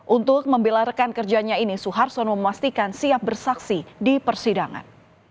untuk membelarkan kerjanya ini suharsono memastikan siap bersaksi di persidangan